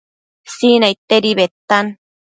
Sinaidtedi bedtan